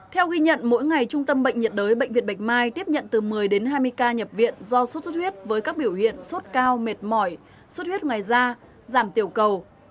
theo ghi nhận mỗi ngày trung tâm bệnh nhiệt đới bệnh viện bạch mai tiếp nhận từ một mươi đến hai mươi ca nhập viện do sốt xuất huyết với các biểu hiện sốt cao mệt mỏi suốt huyết ngoài da giảm tiểu cầu